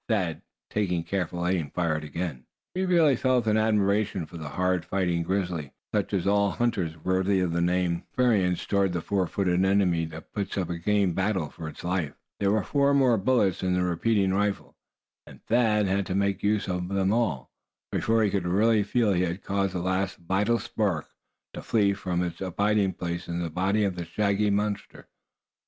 Thad taking careful aim fired again. He really felt an admiration for the hard fighting grizzly, such as all hunters worthy of the name experience toward the four footed enemy that puts up a game battle for its life. There were four more bullets in the repeating rifle, and Thad had to make use of them all before he could really feel he had caused the last vital spark to flee from its abiding place in the body of the shaggy monster.